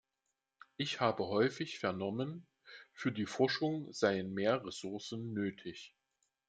Ich habe häufig vernommen, für die Forschung seien mehr Ressourcen nötig.